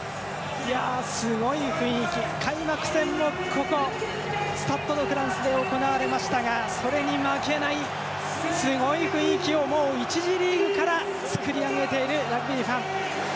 すごい雰囲気、開幕戦もここ、スタッド・ド・フランスで行われましたがそれに負けないすごい雰囲気を１次リーグから作り上げているラグビーファン。